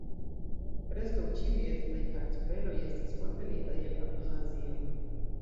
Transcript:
Preskaŭ ĉiuj etnaj kartveloj estis forpelitaj el Abĥazio.